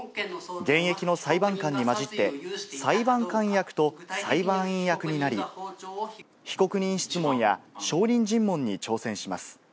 現役の裁判官と裁判員役になり、被告人質問や、証人尋問に挑戦します。